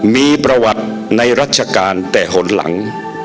มีประวัติในรัชกาลแต่หนหลัง